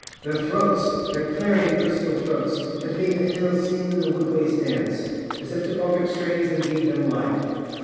their throats! their clarion crystal throats, That made the hills sing and the wood ways dance, As if to orphic strains, and gave them life.